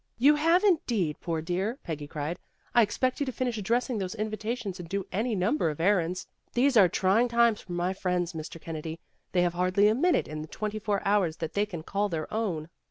"You have indeed, poor dear," Peggy cried. "I expect you to finish addressing those invita tions and do any number of errands. These are trying times for my friends, Mr. Kennedy. They have hardly a minute in the twenty four hours that they can call their own."